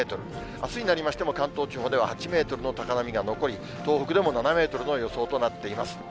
あすになりましても、関東地方では８メートルの高波が残り、東北でも７メートルの予想となっています。